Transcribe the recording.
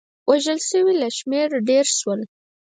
وژل شوي له شمېر ډېر شول.